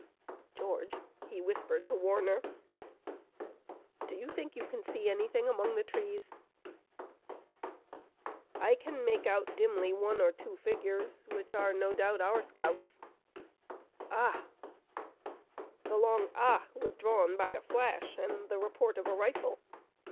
"George," he whispered to Warner, "do you think you can see anything among those trees?" "I can make out dimly one or two figures, which no doubt are our scouts. Ah h!" The long "Ah h!" was drawn by a flash and the report of a rifle.